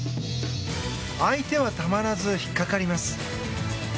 相手はたまらず引っ掛かります。